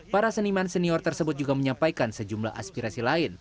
para seniman senior tersebut juga menyampaikan sejumlah aspirasi lain